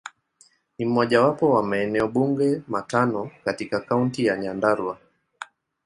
Ni mojawapo wa maeneo bunge matano katika Kaunti ya Nyandarua.